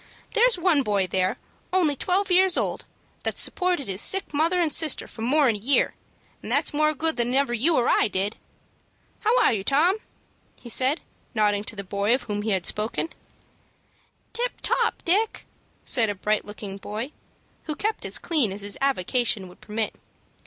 "There's one boy there, only twelve years old, that's supported his sick mother and sister for more'n a year, and that's more good than ever you or I did. How are you, Tom?" he said, nodding to the boy of whom he had spoken. "Tip top, Dick," said a bright looking boy, who kept as clean as his avocation would permit.